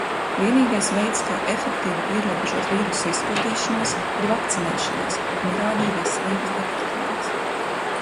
Vienīgais veids, kā efektīvi ierobežot vīrusa izplatīšanos, ir vakcinēšanās, norādīja Veselības departaments.